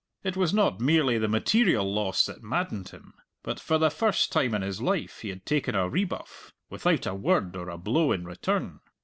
It was not merely the material loss that maddened him. But for the first time in his life he had taken a rebuff without a word or a blow in return.